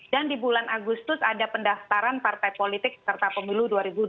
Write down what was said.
dan di bulan agustus ada pendaftaran partai politik serta pemilu dua ribu dua puluh empat